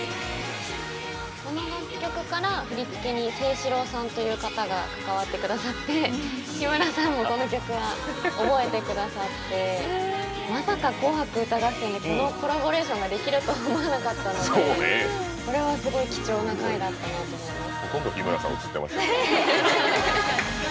この楽曲から振付にＳｅｉｓｈｉｒｏさんという方が関わってくださって日村さんがこの曲は覚えてくださってまさか「紅白歌合戦」でこのコラボレーションができるとは思わなかったのでこれはすごい貴重な回だったかなと思います。